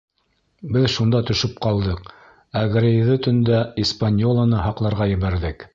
Беҙ шунда төшөп ҡалдыҡ, ә Грейҙы төндә «Испаньола»ны һаҡларға ебәрҙек.